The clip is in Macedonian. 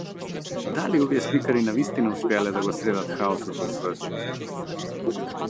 Дали овие сликари навистина успеале да го средат хаосот во својот живот?